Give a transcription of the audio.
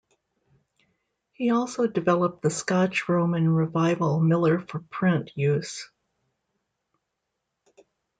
He also developed the Scotch Roman revival Miller for print use.